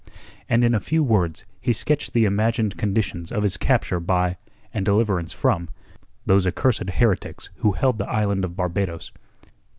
And in a few words he sketched the imagined conditions of his capture by, and deliverance from, those accursed heretics who held the island of Barbados.